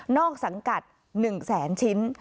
นอกสังกัดหนึ่งแสนชิ้น